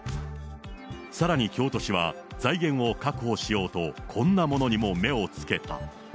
さらに京都市は財源を確保しようと、こんなものにも目をつけた。